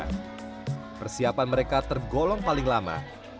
karena persiapan mereka tergolong paling lama